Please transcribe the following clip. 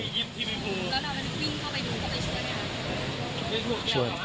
แล้วทำอะไรไม่ถูกวิ่งเข้าไปดูเข้าไปช่วยอย่างไร